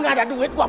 gak ada duit gue bang